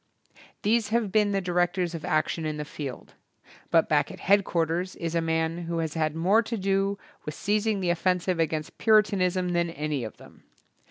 These have been the directors of action in the field, but back at head quarters is a man who has had more to do with seizing the offensive against Puritanism than any of them.